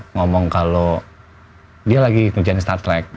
ngomong kalau dia lagi ngerjain star strike